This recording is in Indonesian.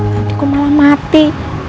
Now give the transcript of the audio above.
nanti kok malah mati